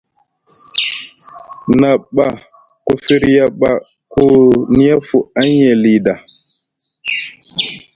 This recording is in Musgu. Na ɓa ku firya ɓa ku niyafu aŋye lii ɗa.